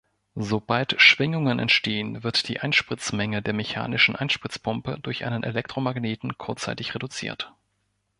Sobald Schwingungen entstehen, wird die Einspritzmenge der mechanischen Einspritzpumpe durch einen Elektromagneten kurzzeitig reduziert.